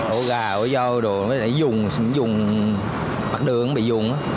ổ gà ổ dâu đồ mới lại dùng dùng mặt đường bị dùng